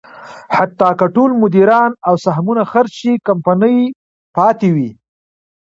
حتی که ټول مدیران او سهمونه خرڅ شي، کمپنۍ پاتې وي.